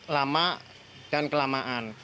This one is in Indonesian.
lama dan kelamaan